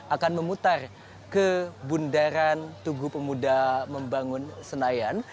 akan memutar ke bundaran tugu pemuda membangun senayan